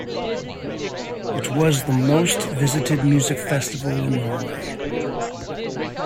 It was the most visited music festival in Norway.